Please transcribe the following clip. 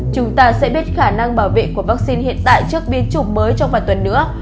chúng ta sẽ biết khả năng bảo vệ của vaccine hiện tại trước biên chủng mới trong vài tuần nữa